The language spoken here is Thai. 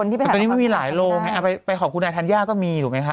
ตรงนี้ไม่มีหลายโรงนะขอบคุณไหนธัญญาก็มีหรือไหมครับ